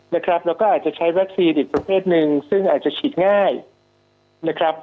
แล้วก็อาจจะใช้วัคซีนอีกประเภทหนึ่งซึ่งอาจจะฉีดง่ายนะครับ